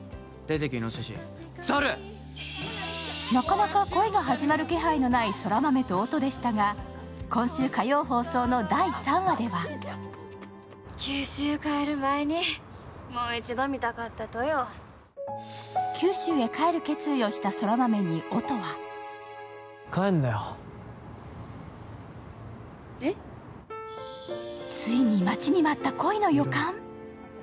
なかなか恋が始まる気配のない空豆と音でしたが、今週火曜放送の第３話では九州へ帰る決意をした空豆に音はついに、待ちに待った恋の予感？